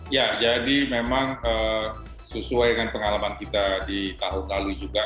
ya jadi memang sesuai dengan pengalaman kita di tahun lalu juga